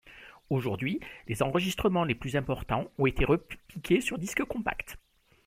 Aujourd’hui, les enregistrements les plus importants ont été repiqués sur disques-compacts.